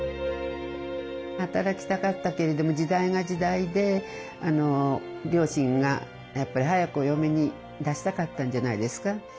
働きたかったけれども時代が時代で両親がやっぱり早くお嫁に出したかったんじゃないですか。